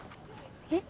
え。